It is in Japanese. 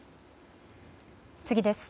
次です。